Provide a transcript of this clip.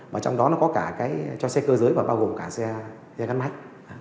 và trong đó nó có cả cho xe cơ giới và bao gồm cả xe gắn mách